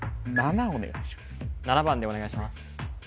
７番でお願いします